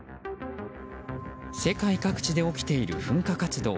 世界各地で起きている噴火活動。